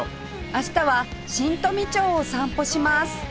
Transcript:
明日は新富町を散歩します